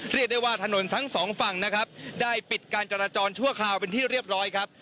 เรียกได้ว่าถนนทั้งสองฝั่งนะครับได้ปิดการจราจรชั่วคราวเป็นที่เรียบร้อยครับ